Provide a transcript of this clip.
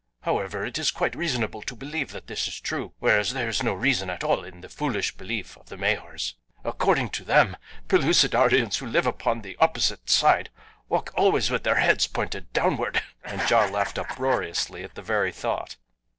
However, it is quite reasonable to believe that this is true, whereas there is no reason at all in the foolish belief of the Mahars. According to them Pellucidarians who live upon the opposite side walk always with their heads pointed downward!" and Ja laughed uproariously at the very thought.